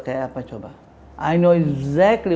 saya pernah coba saya tahu